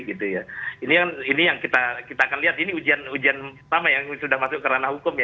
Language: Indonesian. ini yang kita akan lihat ini ujian ujian pertama yang sudah masuk ke ranah hukum ya